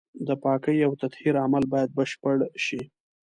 د پاکۍ او تطهير عمل بايد بشپړ شي.